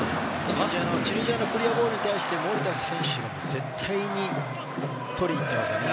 チュニジアのクリアボールに対して、守田選手が絶対にとりにいってますよね。